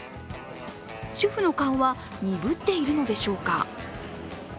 主婦の勘は鈍っているのでしょうか。